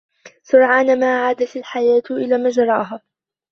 سرعان ما عادت الحياة إلى مجراها.